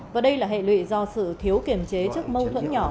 và đây là hệ lụy do sự thiếu kiềm chế trước mâu thuẫn nhỏ